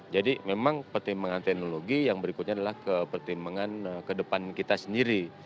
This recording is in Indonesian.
jadi memang pertimbangan teknologi yang berikutnya adalah pertimbangan kedepan kita sendiri